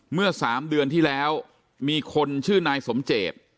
เมื่อ๓เดือนที่แล้วมีคนชื่อนายสมเจต